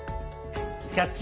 「キャッチ！